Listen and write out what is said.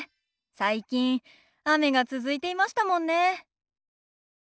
最近雨が続いていましたもんね。